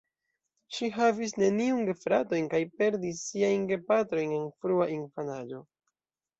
Ŝi havis neniujn gefratojn kaj perdis siajn gepatrojn en frua infanaĝo.